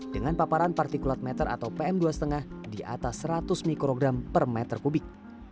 dengan paparan partikulat meter atau pm dua lima di atas seratus mikrogram per meter kubik